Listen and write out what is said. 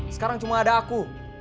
sekarang cuma ada aku